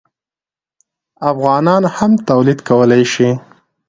افغانان هم تولید کولی شي.